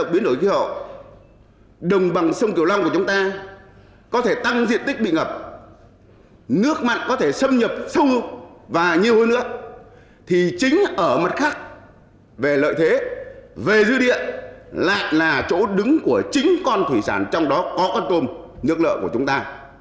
về dư điện lại là chỗ đứng của chính con thủy sản trong đó có con tôm nước lợi của chúng ta